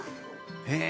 へえ